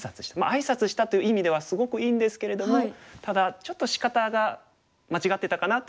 あいさつしたという意味ではすごくいいんですけれどもただちょっとしかたが間違ってたかなという感じですかね。